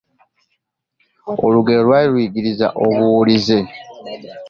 Olugero lwali luyigiriza obuwulize.